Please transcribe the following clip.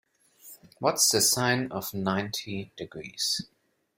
What's the sine of ninety degrees?